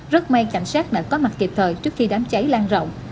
rất may cảnh sát đã có mặt kịp thời trước khi đám cháy lan rộng